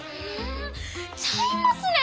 ちゃいますねん！